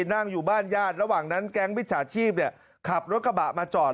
นั่งอยู่บ้านญาติระหว่างนั้นแก๊งมิจฉาชีพขับรถกระบะมาจอด